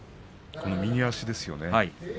右足ですね。